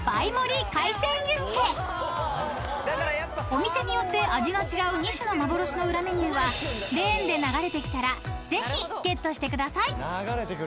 ［お店によって味が違う２種の幻の裏メニューはレーンで流れてきたらぜひゲットしてください］